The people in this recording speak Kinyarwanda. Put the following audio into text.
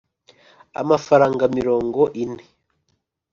'amafaranga mirongo ine,